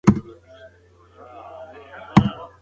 دا پیغام باید ټولو خلکو ته ورسول سي.